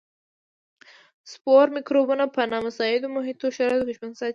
سپور مکروبونه په نامساعدو محیطي شرایطو کې ژوندي ساتي.